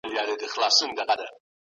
سبا به موږ د خپل وقار په اړه خبري کوو.